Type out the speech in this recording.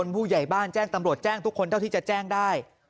ผู้ใหญ่บ้านแจ้งตำรวจแจ้งทุกคนเท่าที่จะแจ้งได้